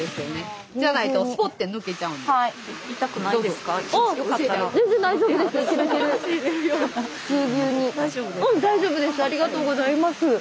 うん大丈夫です。